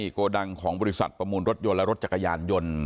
โกดังของบริษัทประมูลรถยนต์และรถจักรยานยนต์